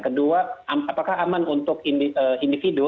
kedua apakah aman untuk individu